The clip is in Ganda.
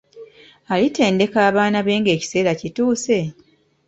Alitendeka abaana be ng'ekiseera kituuse?